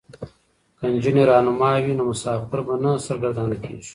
که نجونې رهنما وي نو مسافر به نه سرګردانه کیږي.